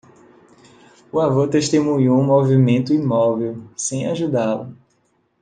O avô testemunhou um movimento imóvel, sem ajudá-lo.